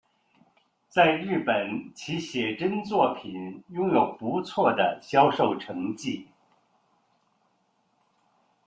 在日本其写真作品拥有不错的销售成绩。